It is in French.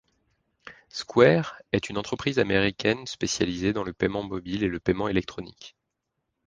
Square est une entreprise américaine spécialisée dans le paiement mobile et le paiement électronique.